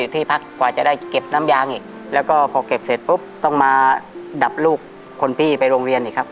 ต้องมาดับลูกคนพี่ไปโรงเรียนอีกครับ